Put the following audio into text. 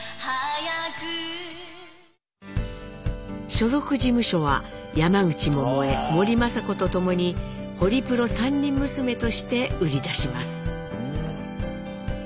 所属事務所は山口百恵森昌子とともに「ホリプロ３人娘」として売り出します。